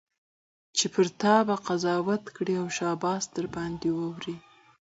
چي پر تا به قضاوت کړي او شاباس درباندي اوري